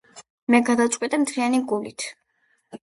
მე გადავწყვიტე მთლიანი გულით